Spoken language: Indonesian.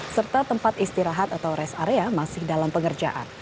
serta tempat istirahat atau rest area masih dalam pengerjaan